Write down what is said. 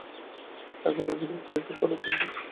টাকা না দিলে ড্রেসিং করাতেন না।